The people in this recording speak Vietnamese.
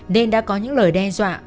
nên đã có những lời đe dọa